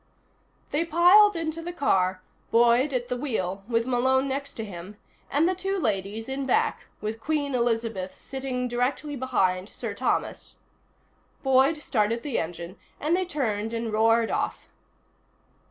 They piled into the car, Boyd at the wheel with Malone next to him, and the two ladies in back, with Queen Elizabeth sitting directly behind Sir Thomas. Boyd started the engine and they turned and roared off.